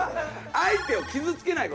相手を傷つけない事。